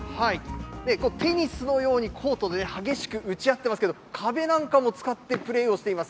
テニスのようにコートで激しく打ち合ってますけど、壁なんかも使ってプレーをしています。